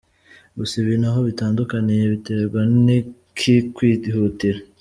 Gusa ibi ntaho bitandukaniye biterwa n’ikikwihutira.